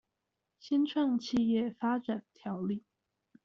新創企業發展條例